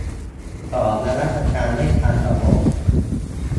ขอนมัสการด้วยความเคารพ